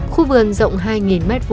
khu vườn rộng hai m hai